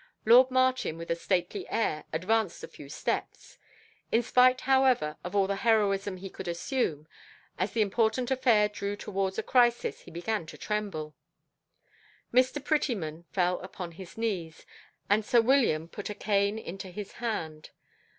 Lord Martin, with a stately air, advanced a few steps. In spite however of all the heroism he could assume, as the important affair drew towards a crisis, he began to tremble. Mr. Prettyman fell upon his knees, and sir William put a cane into his hand.